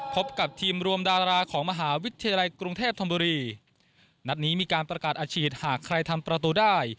พบกับทีมรวมดาราของมหาวิทยาลัยกรุงเทพธนบุรีนัดนี้มีการประกาศอาชีพหากใครทำประตูได้